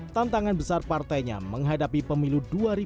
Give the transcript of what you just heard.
tantangan besar partainya menghadapi pemilu dua ribu dua puluh